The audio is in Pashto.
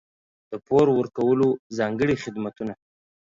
د پور ورکولو ځانګړي خدمتونه.